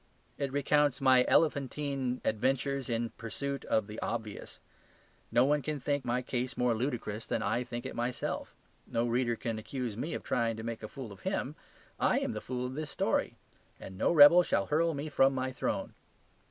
It recounts my elephantine adventures in pursuit of the obvious. No one can think my case more ludicrous than I think it myself; no reader can accuse me here of trying to make a fool of him: I am the fool of this story, and no rebel shall hurl me from my throne.